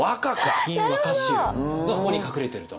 「古今和歌集」がここに隠れていると。